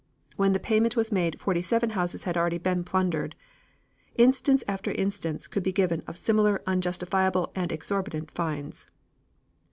When the payment was made forty seven houses had already been plundered. Instance after instance could be given of similar unjustifiable and exorbitant fines.